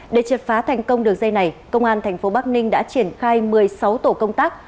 để triệt phá thành công đường dây này công an tp bắc ninh đã triển khai một mươi sáu tổ công tác